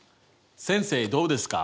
先生どうですか？